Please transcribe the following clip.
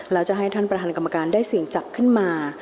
แล้วจะให้ท่านประธานกรรมการได้เสี่ยงจับขึ้นมา